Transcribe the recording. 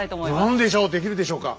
何でしょうできるでしょうか。